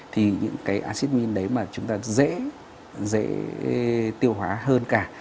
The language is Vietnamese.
thì những cái acid amine đấy mà chúng ta dễ tiêu hóa hơn cả